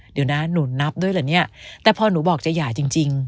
เดี๋ยวนะหนูนับด้วยเหรอเนี่ยแต่พอหนูบอกจะหย่าจริง